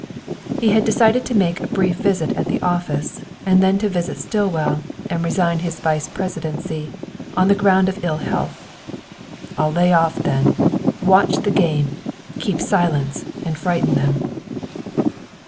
He had decided to make a brief visit at the office, and to then visit Stillwell, and resign his vice presidency, on the ground of ill health. "I'll lay off then, watch the game, keep silence, and frighten them."